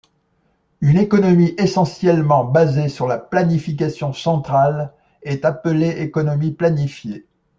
Une économie essentiellement basée sur la planification centrale est appelée économie planifiée.